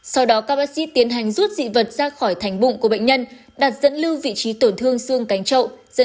sau đó các bác sĩ tiến hành rút dị vật ra khỏi thành bụng của bệnh nhân đạt dẫn lưu vị trí tổn thương xương cánh chậu